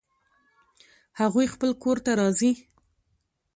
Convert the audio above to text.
هغوی خپل کور ته راځي